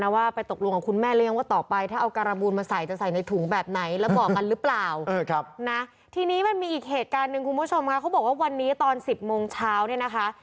วันนี้ตอน๑๐โมงเช้าเนี่ยนะคะ